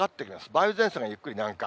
梅雨前線がゆっくり南下。